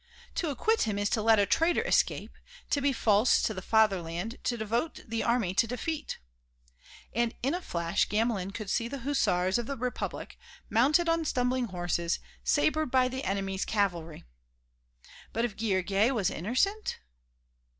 To acquit him is to let a traitor escape, to be false to the fatherland, to devote the army to defeat." And in a flash Gamelin could see the Hussars of the Republic, mounted on stumbling horses, sabred by the enemy's cavalry.... "But if Guillergues was innocent...?"